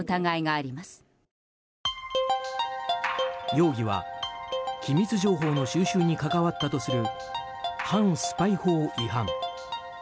容疑は機密情報の収集に関わったとする反スパイ法違反。